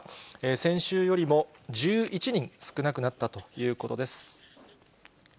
先週よりも１１人少なくなったということです。